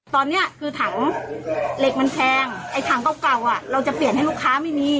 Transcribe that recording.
ตอนนี้คือถังเหล็กมันแพงไอ้ถังเก่าเก่าอ่ะเราจะเปลี่ยนให้ลูกค้าไม่มี